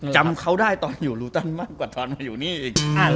จำเขาได้ตอนอยู่ลูตันมากกว่าตอนมาอยู่นี่อีก